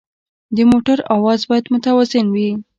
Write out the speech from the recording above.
د موټر اواز باید متوازن وي.